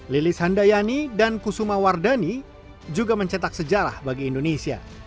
lilis handayani dan kusuma wardani juga mencetak sejarah bagi indonesia